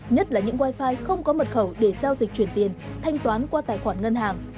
nhất là những wifi không có mật khẩu để giao dịch chuyển tiền thanh toán qua tài khoản ngân hàng